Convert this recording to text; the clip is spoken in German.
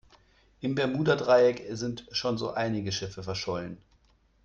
Im Bermuda-Dreieck sind schon so einige Schiffe verschollen.